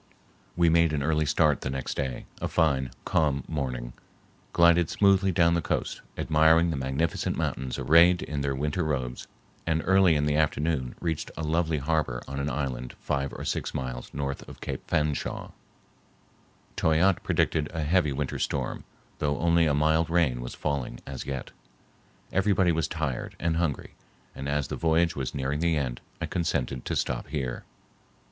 We made an early start the next day, a fine, calm morning, glided smoothly down the coast, admiring the magnificent mountains arrayed in their winter robes, and early in the afternoon reached a lovely harbor on an island five or six miles north of Cape Fanshawe. Toyatte predicted a heavy winter storm, though only a mild rain was falling as yet. Everybody was tired and hungry, and as the voyage was nearing the end, I consented to stop here.